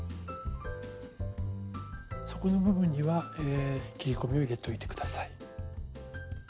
底の部分には切り込みを入れといて下さい。